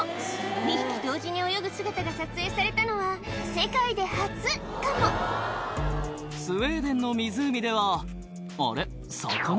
２匹同時に泳ぐ姿が撮影されたのは世界で初かもスウェーデンの湖ではあれ魚？